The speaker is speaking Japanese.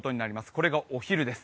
これがお昼です。